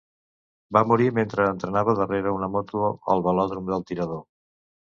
Va morir mentre entrenava darrere una moto al velòdrom del Tirador.